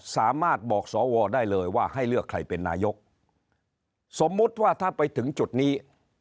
สามารถบอกสวได้เลยว่าให้เลือกใครเป็นนายกสมมุติว่าถ้าไปถึงจุดนี้